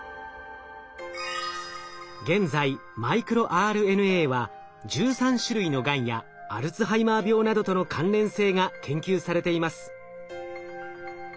現在マイクロＲＮＡは１３種類のがんやアルツハイマー病などとの関連性が研究されています。